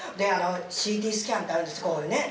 ＣＴスキャンってあるんです。